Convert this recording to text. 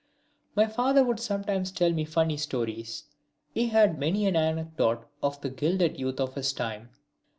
My father would sometimes tell me funny stories. He had many an anecdote of the gilded youth of his time.